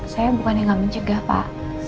saya bukan yang nggak mencegah pak